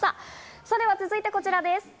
続いてこちらです。